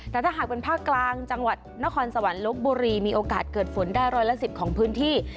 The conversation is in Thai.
แต่ถ้าหากเป็นภาคกลางจังหวัดนครสวรรค์ลบบุรีมีโอกาสเกิดฝนได้ร้อยละ๑๐ของพื้นที่